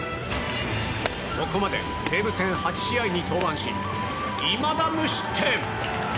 ここまで、西武戦８試合に登板しいまだ無失点。